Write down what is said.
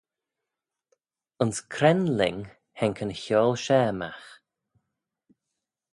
Ayns cre'n lhing haink yn chiaull share magh?